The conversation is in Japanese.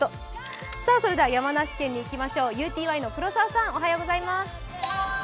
山梨県に行きましょう、ＵＴＹの黒澤さん、おはようございます。